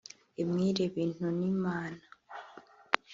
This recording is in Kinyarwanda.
Emile Bintunimana